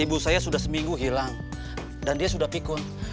ibu saya sudah seminggu hilang dan dia sudah pikun